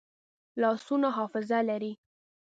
لاسونه حافظه لري